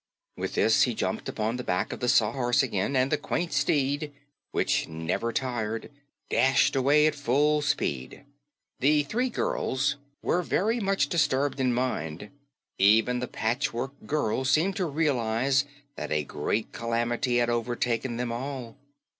With this, he jumped upon the back of the Sawhorse again, and the quaint steed, which never tired, dashed away at full speed. The three girls were very much disturbed in mind. Even the Patchwork Girl seemed to realize that a great calamity had overtaken them all.